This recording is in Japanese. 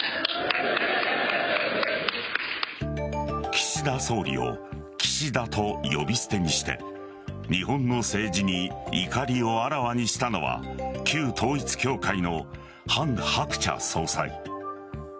岸田総理を岸田と呼び捨てにして日本の政治に怒りをあらわにしたのは旧統一教会のハン・ハクチャ総裁。